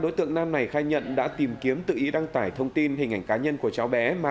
đối tượng nam này khai nhận đã tìm kiếm tự ý đăng tải thông tin hình ảnh cá nhân của cháu bé mà